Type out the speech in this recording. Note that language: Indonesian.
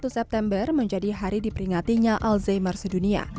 dua puluh satu september menjadi hari diperingatinya alzheimer sedunia